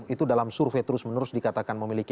itu dalam survei terus menerus dikatakan memiliki